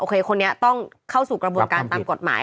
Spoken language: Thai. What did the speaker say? คนนี้ต้องเข้าสู่กระบวนการตามกฎหมาย